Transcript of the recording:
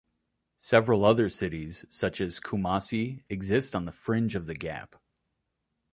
Several other cities, such as Kumasi, exist on the fringe of the Gap.